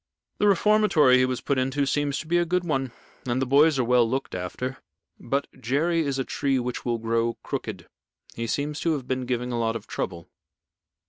The reformatory he was put into seems to be a good one, and the boys are well looked after. But Jerry is a tree which will grow crooked. He seems to have been giving a lot of trouble."